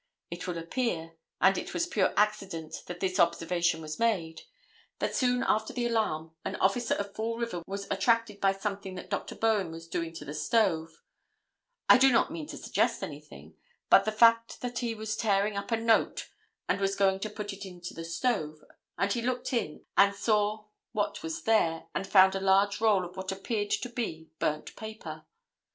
It will appear—and it was pure accident that this observation was made—that soon after the alarm an officer of Fall River was attracted by something that Dr. Bowen was doing to the stove—I do not mean to suggest anything—but the fact that he was tearing up a note and was going to put it into the stove, and he looked in and saw what was there, and found a large roll of what appeared to be burnt paper.